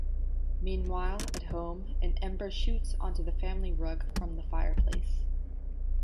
Meanwhile, at home, an ember shoots onto the family rug from the fireplace.